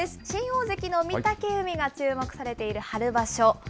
新大関の御嶽海が注目されている春場所。